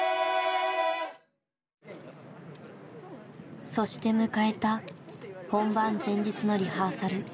そして迎えた本番前日のリハーサル。